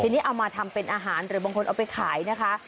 ทีนี้เอามาทำเป็นอาหารหรือบางคนเอาไปขายนะคะ